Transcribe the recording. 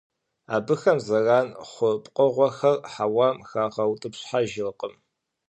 Абыхэм зэран хъу пкъыгъуэхэр хьэуам храгъэутӀыпщхьэркъым.